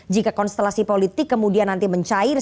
jika konstelasi politik kemudian nanti mencair